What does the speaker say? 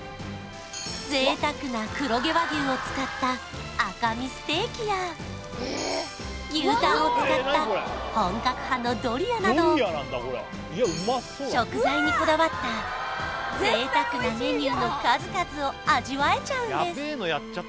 贅沢な黒毛和牛を使った赤身ステーキや牛タンを使った本格派のドリアなど食材にこだわった贅沢なメニューの数々を味わえちゃうんです